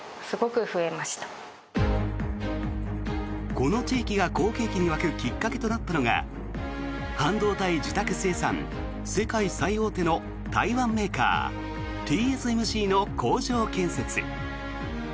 この地域が好景気に沸くきっかけとなったのが半導体受託生産世界最大手の台湾メーカーＴＳＭＣの工場建設。